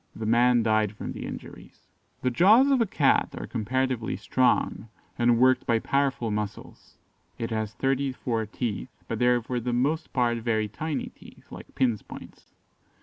The man died from the injuries." The jaws of a Cat are comparatively strong, and worked by powerful muscles; it has thirty four teeth, but they are for the most part very tiny teeth, like pin's points.